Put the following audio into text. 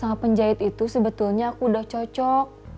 sama penjahit itu sebetulnya aku udah cocok